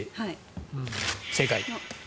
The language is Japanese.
正解。